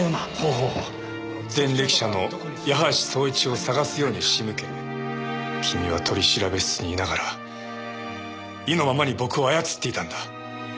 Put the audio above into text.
前歴者の矢橋宗市を捜すように仕向け君は取調室にいながら意のままに僕を操っていたんだ。